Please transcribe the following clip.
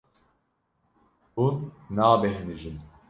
Hûn nabêhnijin.